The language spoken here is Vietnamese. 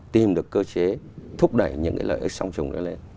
tìm được cơ chế thúc đẩy những cái lợi ích song trùng đó lên